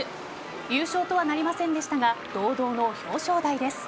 優勝とはなりませんでしたが堂々の表彰台です。